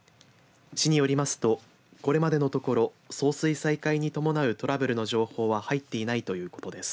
市によりますとこれまでのところ送水再開に伴うトラブルの情報は入っていないということです。